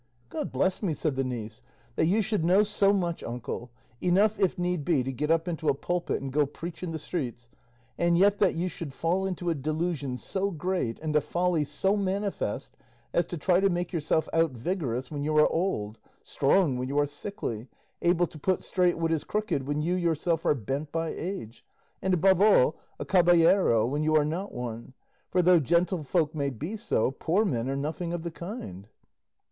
"God bless me!" said the niece, "that you should know so much, uncle enough, if need be, to get up into a pulpit and go preach in the streets and yet that you should fall into a delusion so great and a folly so manifest as to try to make yourself out vigorous when you are old, strong when you are sickly, able to put straight what is crooked when you yourself are bent by age, and, above all, a caballero when you are not one; for though gentlefolk may be so, poor men are nothing of the kind!"